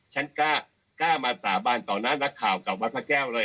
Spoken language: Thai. ฉันกล้ามาสาบานต่อหน้านักข่าวกับวัดพระแก้วเลย